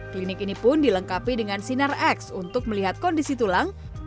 klinik ini pun dilengkapi dengan sinar x untuk melihat kondisi tulang